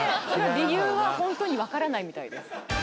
理由はホントにわからないみたいです